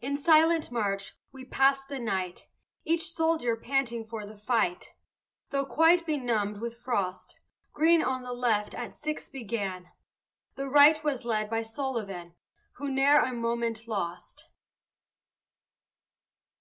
In silent march we passed the night, Each soldier panting for the fight, Though quite benumbed with frost. Greene on the left at six began, The right was led by Sullivan Who ne'er a moment lost.